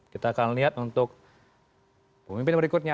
kita akan lihat untuk pemimpin berikutnya